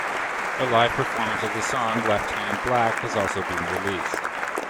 A live performance of the song "Left Hand Black" has also been released.